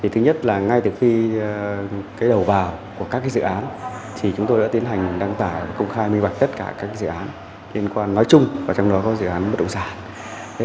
thứ nhất là ngay từ khi đầu vào của các dự án thì chúng tôi đã tiến hành đăng tải công khai minh bạch tất cả các dự án liên quan nói chung và trong đó có dự án bất động sản